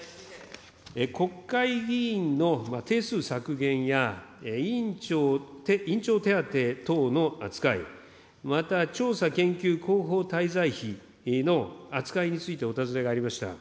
国会議員の定数削減や委員長手当等の扱い、また調査研究広報滞在費の扱いについてお尋ねがありました。